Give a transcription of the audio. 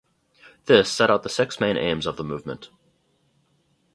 This set out the six main aims of the movement.